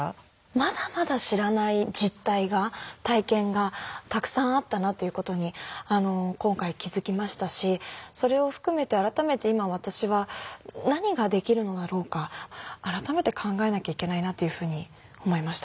まだまだ知らない実態が体験がたくさんあったなっていうことに今回気付きましたしそれを含めて改めて今私は何ができるのだろうか改めて考えなきゃいけないなというふうに思いました。